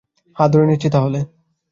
হ্যাঁ ধরে নিচ্ছি তাহলে।